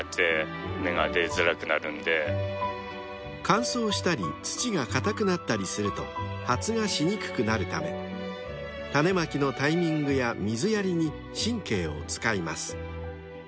［乾燥したり土が硬くなったりすると発芽しにくくなるため種まきのタイミングや水やりに神経を使います］